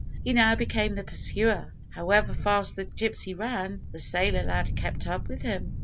He now became the pursuer. However fast the gypsy ran, the sailor lad kept up with him.